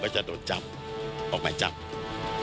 มีความรู้สึกว่ามีความรู้สึกว่า